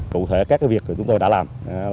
cụ thể các việc chúng tôi đã làm